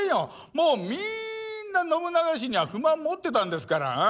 もうみんな信長氏には不満持ってたんですから。